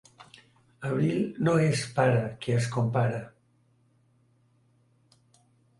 Abril no és pare, que és compare.